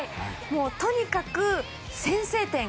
とにかく、先制点。